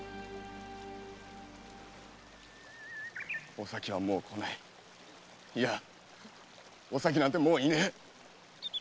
お咲はもう来ないいやお咲なんてもういない！